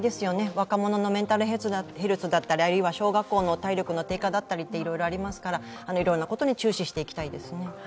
若者のメンタルヘルスだったり、体力の低下だったりいろいろありますからいろいろなことに注視していきたいですね。